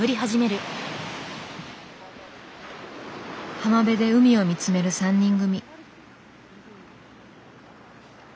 浜辺で海を見つめる３人組。